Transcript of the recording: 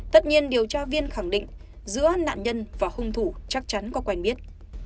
tất nhiên điều tra viên khẳng định giữa nạn nhân và hung thủ chắc chắn có quen biết